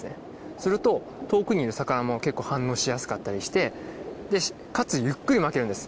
すると遠くにいる魚も結構反応しやすかったりしてでかつゆっくり巻けるんです